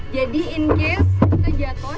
jadi in case kita jatoh dari kapal